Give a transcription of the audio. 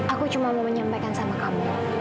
aku cuma mau menyampaikan sama kamu